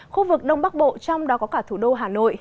khu vực đông bắc bộ trong đó có cả thủ đô hà nội